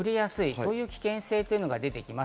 そういう危険性が出てきます。